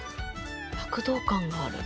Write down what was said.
躍動感がある。